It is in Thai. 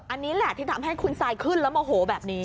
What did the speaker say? อันนี้แหละที่ทำให้คุณซายขึ้นแล้วโมโหแบบนี้